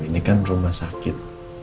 ini kan rumah sakit